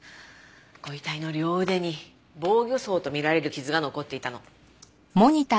ご遺体の両腕に防御創と見られる傷が残っていたの。